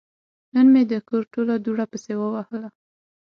نن مې د کور ټوله دوړه پسې ووهله.